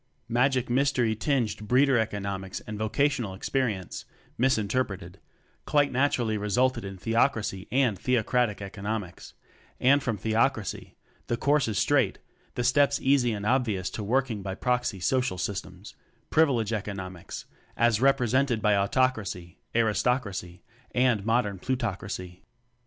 Magic Mystery tinged Breeder economics and vocational experience (misinterpreted) quite naturally re sulted in Theocracy and Theocratic economics; and from Theocracy the course is straight, the steps easy and obvious to Working by proxy social systems Privilege economics as represented by Autocracy, Aris tocracy, and modern Plutocracy.